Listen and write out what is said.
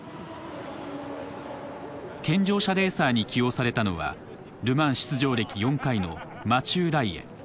健常者レーサーに起用されたのはル・マン出場歴４回のマチュー・ライエ。